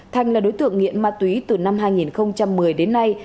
thành là đối tượng nghiện ma túy từ năm hai nghìn một mươi đến nay